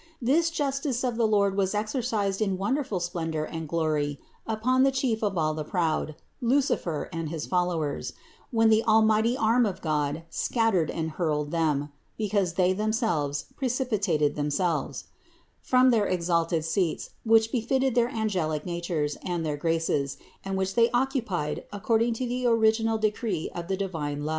This justice of the Lord was exercised in wonderful splendor and glory upon the chief of all the proud, Lucifer and his followers, when the almighty arm of God scattered and hurled them (because they themselves precipitated themselves) from their exalted seats which befitted their angelic natures and their graces, and which they occu pied according to the original (Isaias 14; Apoc.